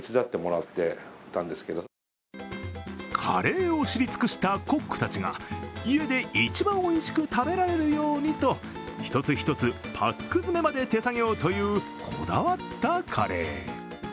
カレーを知り尽くしたコックたちが家で一番おいしく食べられるようにと一つ一つパック詰めまで手作業というこだわったカレー。